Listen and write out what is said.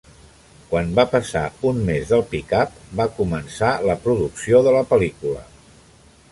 Quan va passar un mes del "pick-up", va començar la producció de la pel·lícula.